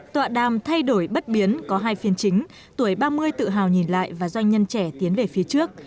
tọa đàm thay đổi bất biến có hai phiên chính tuổi ba mươi tự hào nhìn lại và doanh nhân trẻ tiến về phía trước